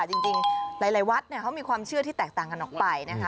จริงหลายวัดเขามีความเชื่อที่แตกต่างกันออกไปนะคะ